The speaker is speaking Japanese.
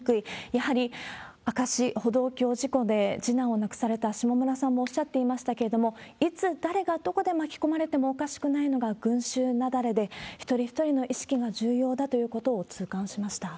やはり明石歩道橋事故で次男を亡くされた下村さんもおっしゃっていましたけれども、いつ、誰が、どこで巻き込まれてもおかしくないのが群衆雪崩で、一人一人の意識が重要だということを痛感しました。